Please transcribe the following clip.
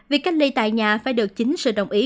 việc cách ly tại nhà phải được chính sự đồng ý